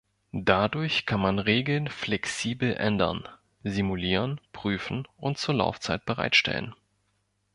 Dadurch kann man Regeln flexibel ändern, simulieren, prüfen und zur Laufzeit bereitstellen.